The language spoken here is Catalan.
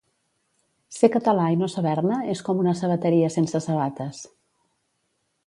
Ser català i no saber-ne és com una sabateria sense sabates.